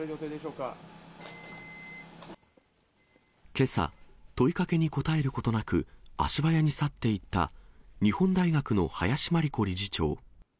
けさ、問いかけにこたえることなく足早に去っていった日本大学の林真理子理事長。